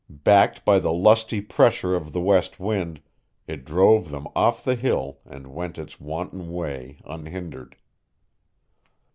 Backed by the lusty pressure of the west wind, it drove them off the hill and went its wanton way unhindered.